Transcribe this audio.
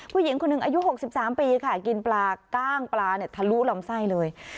ผู้หญิงคนหนึ่งอายุ๖๓ปีค่ะกินปลาก้างปลาทะลุลำไส้เลย